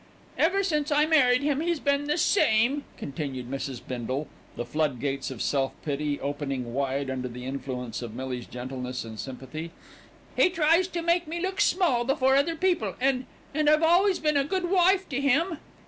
"Ever since I married him he's been the same," continued Mrs. Bindle, the flood gates of self pity opening wide under the influence of Millie's gentleness and sympathy. "He tries to make me look small before other people and and I've always been a good wife to him."